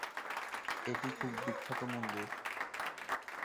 এটি খুব বিখ্যাত মন্দির।